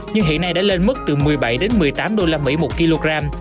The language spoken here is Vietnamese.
nhưng hiện nay đã lên mức từ một mươi bảy đến một mươi tám usd một kg